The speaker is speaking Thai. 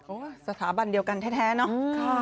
สถาบันเดียวกันแท้เนอะ